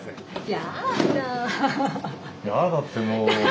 やだってもう。